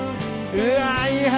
うわいい話。